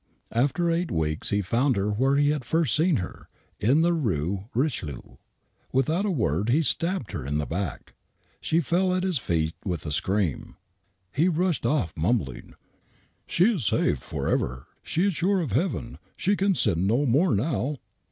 After eight weeks he found her where he had first seen her, in the Rue Richelieu. Without a word, he stabbed her in the back. She fell at his feet with a scream. He rushed off mumbling: " She is saved forever ; she is sure of heaven ; she can sin no more now